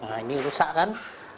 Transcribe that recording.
nah ini rusak kan